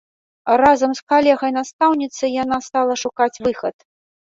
Разам з калегай-настаўніцай яна стала шукаць выхад.